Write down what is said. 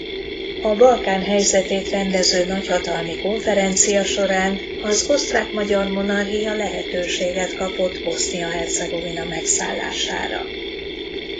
A Balkán helyzetét rendező nagyhatalmi konferencia során az Osztrák–Magyar Monarchia lehetőséget kapott Bosznia-Hercegovina megszállására.